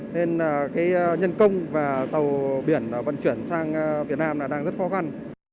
nên nhân công và tàu biển vận chuyển sang việt nam đang rất khó khăn